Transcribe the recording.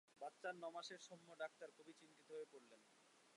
বাচ্চার নমাসের সম্য ডাক্তার খুবই চিন্তিত হয়ে পড়লেন।